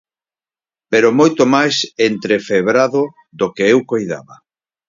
Pero moito máis entrefebrado do que eu coidaba.